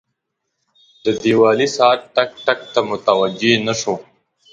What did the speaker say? د دیوالي ساعت ټک، ټک ته متوجه نه شو.